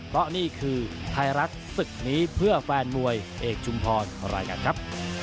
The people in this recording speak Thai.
เพราะนี่คือไทยรัฐศึกนี้เพื่อแฟนมวยเอกชุมพรรายการครับ